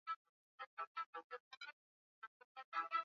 ya kutoaminiana baina rais mugabe na waziri mkuu shangirai kama anavyoeleza